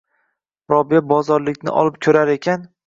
Robiya bozorlikni olib koʻrar ekan.